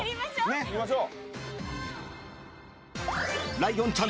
行きましょう。